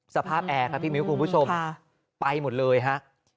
แอร์ครับพี่มิ้วคุณผู้ชมไปหมดเลยฮะ